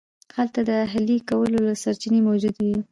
هلته د اهلي کولو لپاره سرچینې موجودې وې.